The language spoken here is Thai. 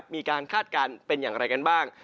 มีการฆาตการณ์เป็นอย่างไรกันบ้าง